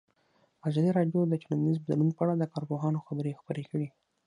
ازادي راډیو د ټولنیز بدلون په اړه د کارپوهانو خبرې خپرې کړي.